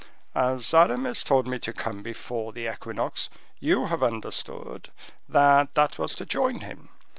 As Aramis told me to come before the equinox, you have understood that that was to join him.